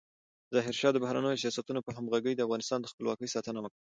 ظاهرشاه د بهرنیو سیاستونو په همغږۍ د افغانستان د خپلواکۍ ساتنه وکړه.